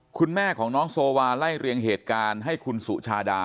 คุณแม่ของน้องโซวาไล่เรียงเหตุการณ์ให้คุณสุชาดา